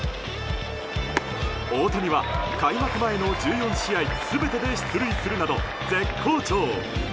大谷は開幕前の１４試合全てで出塁するなど絶好調。